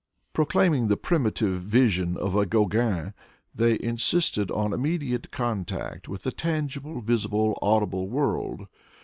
Proclaim* ing the primitive vision of a Gauguin, they insisted on immediate contact with the tangible, visible, audible world.